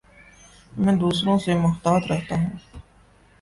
میں دوسروں سے محتاط رہتا ہوں